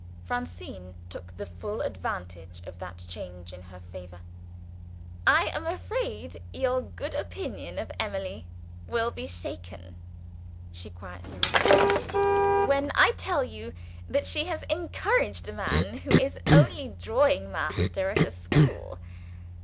Francine took the full advantage of that change in her favor. "I am afraid your good opinion of Emily will be shaken," she quietly resumed, "when I tell you that she has encouraged a man who is only drawing master at a school.